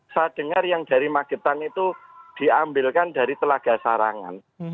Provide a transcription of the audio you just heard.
saya dengar yang dari magetan itu diambilkan dari telaga sarangan